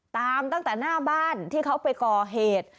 ตั้งแต่หน้าบ้านที่เขาไปก่อเหตุ